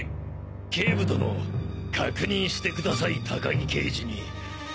警部殿確認してください高木刑事に。